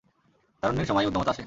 তারুণ্যের সময়েই উদ্যমতা আসে।